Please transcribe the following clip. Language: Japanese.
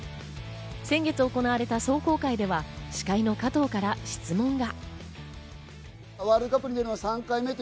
先月行われた壮行会では司会の加藤から質問が。